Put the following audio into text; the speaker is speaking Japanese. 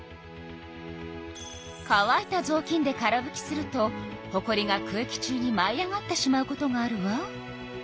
かわいたぞうきんでからぶきするとほこりが空気中にまい上がってしまうことがあるわ。